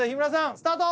スタート